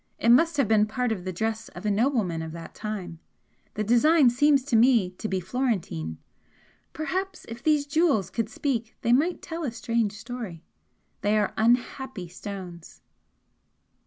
It must have been part of the dress of a nobleman of that time the design seems to me to be Florentine. Perhaps if these jewels could speak they might tell a strange story! they are unhappy stones!"